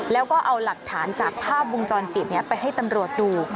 แล้วก็เอาหลักฐานจากภาพวงจรปิดนี้ไปให้ตำรวจดู